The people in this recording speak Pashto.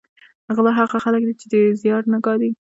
غله هغه خلک دي چې زیار نه ګالي